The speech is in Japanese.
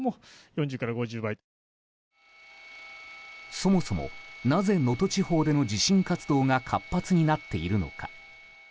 そもそもなぜ能登地方での地震活動が活発になっているのか。